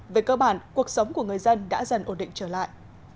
về cơ bản cuộc sống của người dân đã dần ổn định trở lại